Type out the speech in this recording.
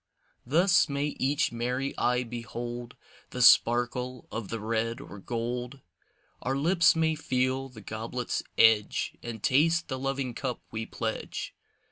Thus may each merry eye behold The sparkle of the red or gold. Our lips may feel the goblet's edge And taste the loving cup we pledge.